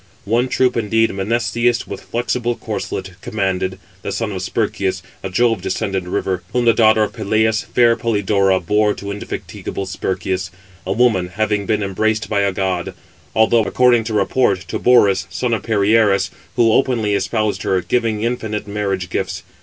One troop indeed Menesthius, with flexible corslet, commanded, the son of Sperchius, a Jove descended river; whom the daughter of Peleus, fair Polydora, bore to indefatigable Sperchius, a woman having been embraced by a god; although, according to report, to Borus, son of Perieres, who openly espoused her, giving infinite marriage gifts.